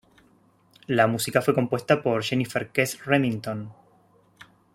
La música fue compuesta por Jennifer Kes Remington.